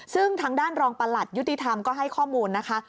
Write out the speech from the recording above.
ซึ่งทางด้านรองประหลัดยุติธรรมก็ให้ข้อมูลนะคะ